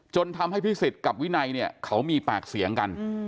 จนทำให้พิสิทธิ์กับวินัยเนี่ยเขามีปากเสียงกัน